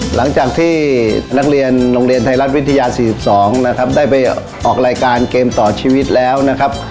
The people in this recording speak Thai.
หลังจากที่นักเรียนโรงเรียนไทยรัฐวิทยา๔๒นะครับได้ไปออกรายการเกมต่อชีวิตแล้วนะครับ